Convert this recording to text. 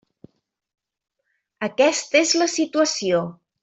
Aquesta és la situació.